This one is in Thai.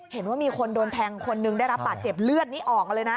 เห็นว่ามีคนโดนแทงคนหนึ่งได้รับบาดเจ็บเลือดนี้ออกเลยนะ